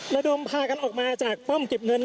ระดมพากันออกมาจากป้อมเก็บเงิน